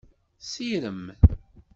Sirem.